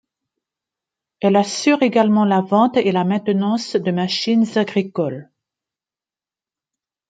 Elle assure également la vente et la maintenance de machines agricoles.